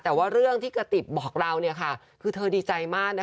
แต่ว่าเรื่องที่กะติบบอกเราเนี่ยค่ะคือเธอดีใจมากนะคะ